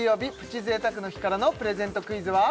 贅沢の日からのプレゼントクイズは？